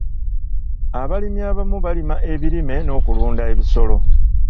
Abalimi abamu balima ebirime n'okulunda ebisolo.